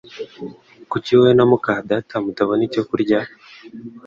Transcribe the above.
Kuki wowe na muka data mutabona icyo kurya?